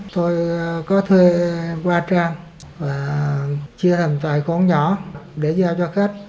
tôi có thuê qua trang và chia thành tài con nhỏ để giao cho khách